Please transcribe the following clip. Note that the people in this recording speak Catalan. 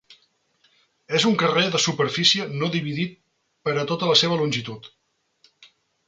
És un carrer de superfície no dividit per a tota la seva longitud.